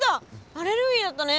アレルギーだったね。